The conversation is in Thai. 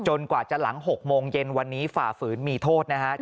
กว่าจะหลัง๖โมงเย็นวันนี้ฝ่าฝืนมีโทษนะครับ